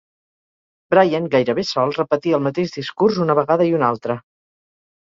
Bryan, gairebé sol, repetia el mateix discurs una vegada i una altra.